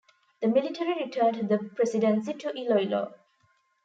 The military returned the presidency to Iloilo.